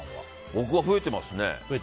僕は増えていますね。